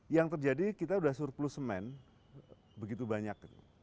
yang terjadi kita sudah surplus semen begitu banyak